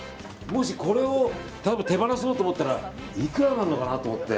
これを手放そうと思ったらいくらになるのかなと。